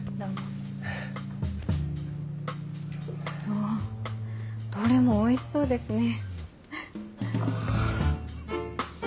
わぁどれもおいしそうですね。